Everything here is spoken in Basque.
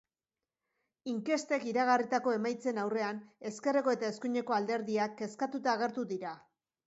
Inkestek iragarritako emaitzen aurrean, ezkerreko eta eskuineko alderdiak kezkatuta agertu dira.